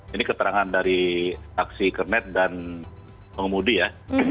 ini keterangan dari saksi kernet dan pengemudi ya